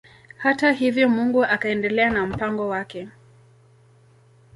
Hata hivyo Mungu akaendelea na mpango wake.